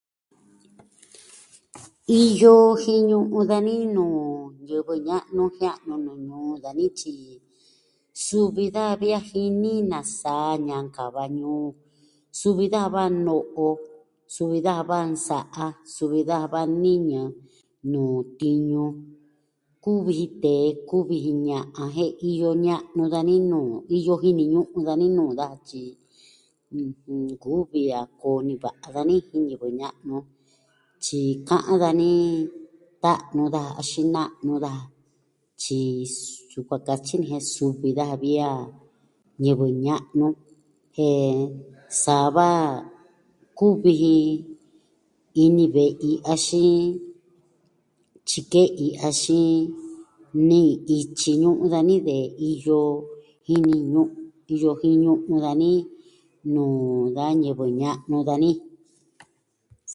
Iyo jiñu'un dani nuu ñivɨ ña'nu jia'nu nuu ñuu dani, tyi suvi daja vi a jini nasa ñankava ñuu, suvi daja va no'o, suvi daja va nsa'a, suvi daja va niñɨ nuu tiñu. Kuvi ji tee, kuvi ji ña'an jen iyo ña'nu dani nuu iyo jini ñu'un dani nuu daja, tyi ɨjɨn, nkuvi a koo niva'a dani jin ñivɨ ña'nu. Tyi ka'an dani ta'nu daja axin na'nu daja. Tyi yukuan katyi ni jen suvi daja vi a ñivɨ ña'nu, jen sa va kuvi ji ini ve'i, axin tyike'i, axin ne'in ityi nu'u dani ve'i iyo ini nu, iyo jin ñu'un dani nuu da ñivɨ ña'nu dani.